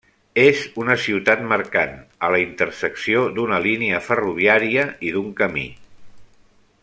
És una ciutat mercant, a la intersecció d'una línia ferroviària i d'un camí.